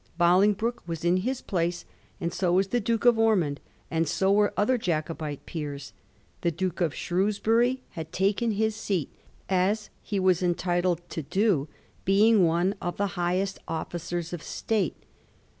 Bolingbroke was in his place, and so was the Duke of Ormond, and so were other Jacobite peers. The Duke of Shrewsbury had taken his seat, as he was entitled to do, being one of tiie highest officers of State.